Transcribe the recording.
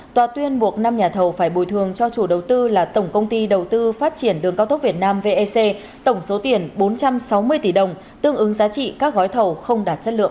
tòa tuyên buộc năm nhà thầu phải bồi thường cho chủ đầu tư là tổng công ty đầu tư phát triển đường cao tốc việt nam vec tổng số tiền bốn trăm sáu mươi tỷ đồng tương ứng giá trị các gói thầu không đạt chất lượng